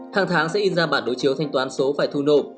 hàng tháng sẽ in ra bản đối chiếu thanh toán số phải thu nộp